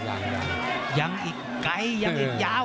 ยังยังอีกไกลยังอีกยาว